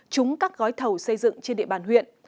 trúng các gói thầu xây dựng trên địa bàn huyện